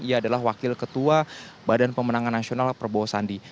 ia adalah wakil ketua badan pemenangan nasional perbohosandi